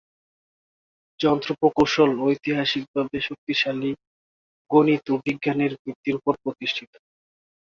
যন্ত্র প্রকৌশল ঐতিহাসিক ভাবে শক্তিশালী গণিত ও বিজ্ঞানের ভিত্তির উপর প্রতিষ্ঠিত।